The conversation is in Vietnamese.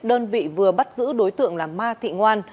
đơn vị vừa bắt giữ đối tượng là ma thị ngoan